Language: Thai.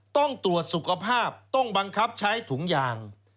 ต้องตรวจสุขภาพต้องบังคับใช้ถุงยาง